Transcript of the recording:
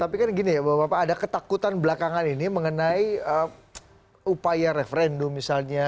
tapi kan gini ya bapak bapak ada ketakutan belakangan ini mengenai upaya referendum misalnya